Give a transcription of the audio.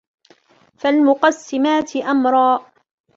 فالمقسمات أمرا